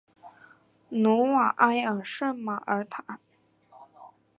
努瓦埃尔圣马尔坦。